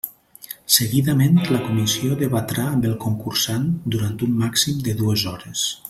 Seguidament, la comissió debatrà amb el concursant durant un màxim de dues hores.